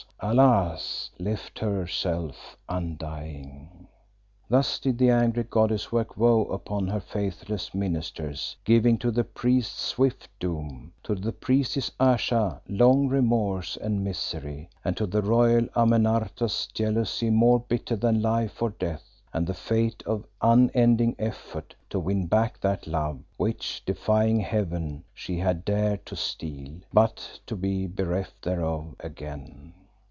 alas! left herself undying. "Thus did the angry goddess work woe upon her faithless ministers, giving to the priest swift doom, to the priestess Ayesha, long remorse and misery, and to the royal Amenartas jealousy more bitter than life or death, and the fate of unending effort to win back that love which, defying Heaven, she had dared to steal, but to be bereft thereof again.